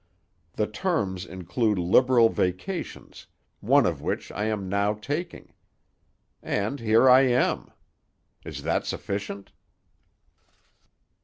The terms include liberal vacations, one of which I am now taking. And here I am! Is that sufficient?"